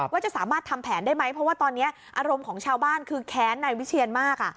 ว่าจะสามารถทำแผนได้ไหมเพราะว่าตอนนี้อารมณ์ของชาวบ้านคือแค้นนายวิเชียนมาก